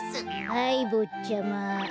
はいぼっちゃま。